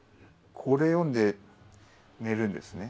これ読んで寝るんですね。